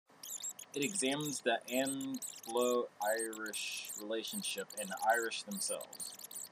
It examines the Anglo-Irish relationship, and the Irish themselves.